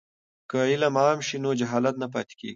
که علم عام شي نو جهالت نه پاتې کیږي.